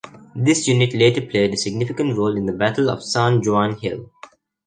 This unit later played a significant role in the Battle of San Juan Hill.